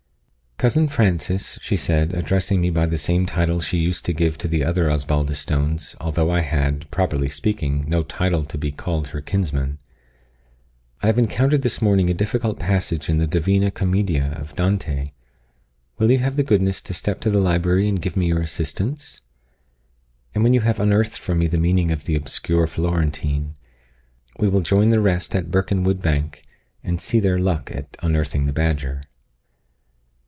"Cousin Francis," she said, addressing me by the same title she used to give to the other Osbaldistones, although I had, properly speaking, no title to be called her kinsman, "I have encountered this morning a difficult passage in the Divina Comme'dia of Dante; will you have the goodness to step to the library and give me your assistance? and when you have unearthed for me the meaning of the obscure Florentine, we will join the rest at Birkenwood bank, and see their luck at unearthing the badger."